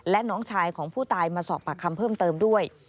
และน้องชายของผู้ตายมาสอบปากคำเพิ่มเติมด้วย